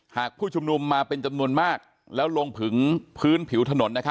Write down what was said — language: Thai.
ผู้ชุมนุมมาเป็นจำนวนมากแล้วลงถึงพื้นผิวถนน